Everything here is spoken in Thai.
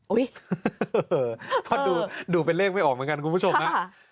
เพราะดูเป็นเลขไม่ออกเหมือนกันคุณผู้ชมนะ